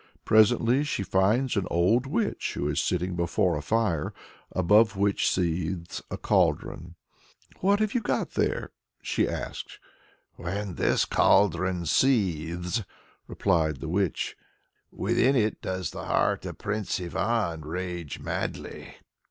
Presently she finds an old witch who is sitting before a fire, above which seethes a cauldron. "What have you got there?" she asks. "When this cauldron seethes," replies the witch, "within it does the heart of Prince Ivan rage madly."